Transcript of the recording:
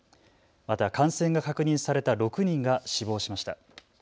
また感染が確認された６人が死亡しました。